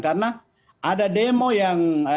karena ada demo yang